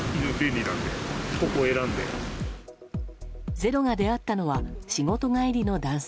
「ｚｅｒｏ」が出会ったのは仕事帰りの男性。